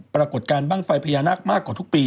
ปรากฏการณ์บ้างไฟพญานาคมากกว่าทุกปี